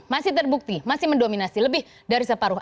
masih terbukti masih mendominasi lebih dari separuh